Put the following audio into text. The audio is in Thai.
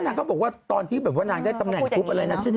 ก็นางก็บอกว่าตอนที่นางได้ตำแหน่งคลุปอะไรนะ